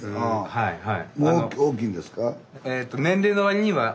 はいはい。